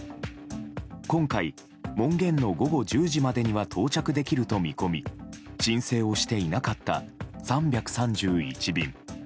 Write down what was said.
今回、門限の午後１０時までには到着できると見込み申請をしていなかった３３１便。